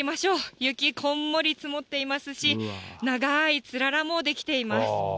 雪、こんもり積もっていますし、長いつららも出来ています。